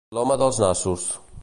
L'home dels nassos.